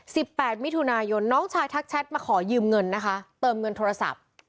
แปดมิถุนายนน้องชายทักแชทมาขอยืมเงินนะคะเติมเงินโทรศัพท์